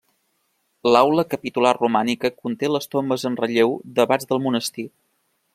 L'aula capitular romànica conté les tombes en relleu d'abats del monestir.